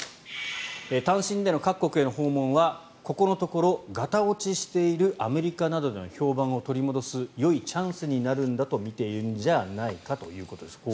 単身での各国への訪問はここのところがた落ちしているアメリカなどでの評判を取り戻すよいチャンスになるんだとみているんじゃないかということです。